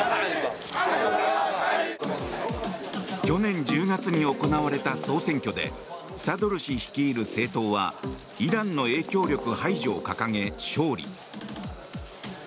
去年１０月に行われた総選挙でサドル師率いる政党はイランの影響力排除を掲げ勝利。